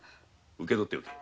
受け取ってくれ。